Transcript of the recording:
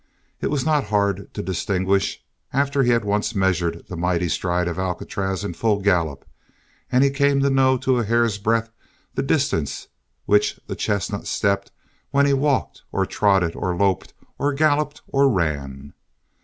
It was not hard to distinguish after he had once measured the mighty stride of Alcatraz in full gallop and he came to know to a hair's breath the distances which the chestnut stepped when he walked or trotted or loped or galloped or ran.